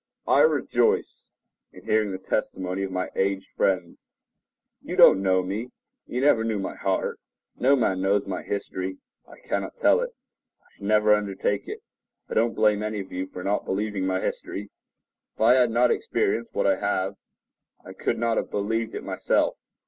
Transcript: I rejoice in hearing the testimony of my aged friends. You don't know me; you never knew my heart. No man knows my history. I cannot tell it: I shall never undertake it. I don't blame any one for not believing my history. If I had not experienced what I have, I could not have believed it myself.